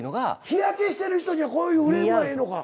日焼けしてる人にはこういうフレームがええのか。